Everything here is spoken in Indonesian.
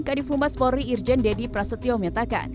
kadifumbas polri irjen dedi prasetyo menyatakan